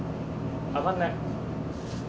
上がらない。